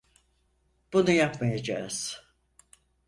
Bunu yapmayacağız.